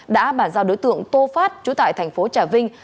đã bàn giao đối tượng tô phát trú tại thành phố trà vinh